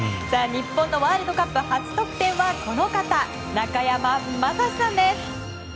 日本のワールドカップ初得点はこの方、中山雅史さんです。